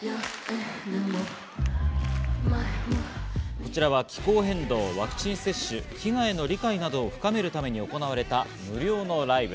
こちらは気候変動、ワクチン接種、飢餓への理解などを深めるために行われた無料のライブ。